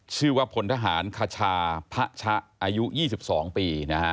ชื่อว่าพลธหารคชาพะชะอายุ๒๒ปี